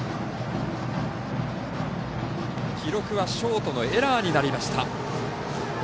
記録はショートのエラーになりました。